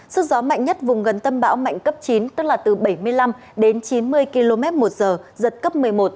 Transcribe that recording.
sức gió mạnh nhất vùng gần tâm bão mạnh cấp chín tức là từ bảy mươi năm đến chín mươi km một giờ giật cấp một mươi một